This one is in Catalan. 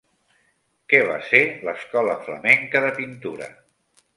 Què va ser l'escola flamenca de pintura?